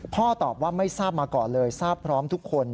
ตอบว่าไม่ทราบมาก่อนเลยทราบพร้อมทุกคน